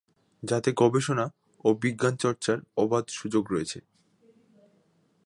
যাতে গবেষণা ও বিজ্ঞান চর্চার অবাধ সুযোগ রয়েছে।